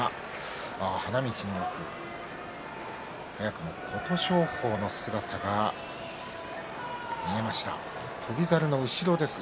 花道の奥、早くも琴勝峰の姿が見えます。